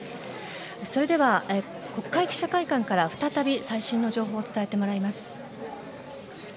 それでは国会記者会館から再び最新の情報を伝えてもらいます。